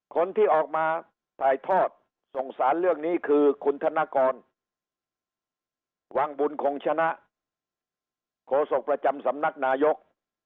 คนที่ออกมาถ่ายทอดส่งสารเรื่องนี้คือคุณธนกรวังบุญคงชนะโฆษกประจำสำนักนายก